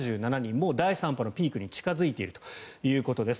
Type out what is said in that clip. もう第３波のピークに近付いているということです。